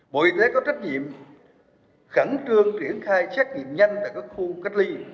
bộ y tế có trách nhiệm khẳng trương triển khai trách nhiệm nhanh tại các khu cách ly